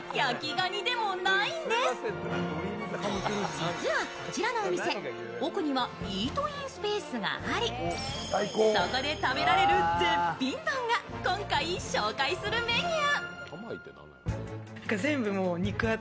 実はこちらのお店、奥にはイートインスペースがありそこで食べられる絶品丼が今回紹介するメニュー。